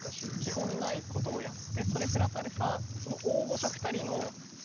基本ないことをやってそれプラス